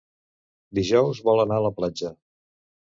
Dijous vol anar a la platja.